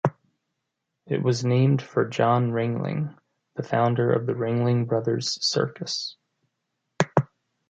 It was named for John Ringling, the founder of the Ringling Brothers Circus.